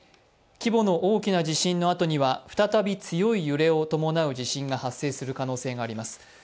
規模の大きな地震のあとには再び強い揺れを伴う地震が発生するおそれがあります。